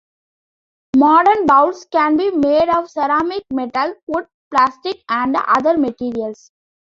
Modern bowls can be made of ceramic, metal, wood, plastic, and other materials.